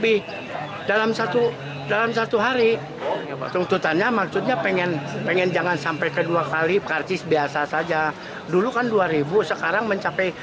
iya jadi double